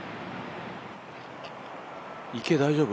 池、大丈夫？